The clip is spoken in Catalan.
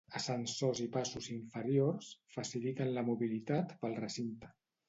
Ascensors i passos inferiors faciliten la mobilitat pel recinte.